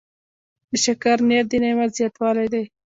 د شکر نیت د نعمت زیاتوالی دی.